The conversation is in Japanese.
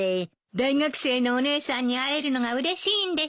大学生のお姉さんに会えるのがうれしいんでしょ。